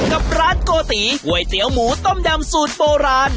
กับร้านโกติก๋วยเตี๋ยวหมูต้มยำสูตรโบราณ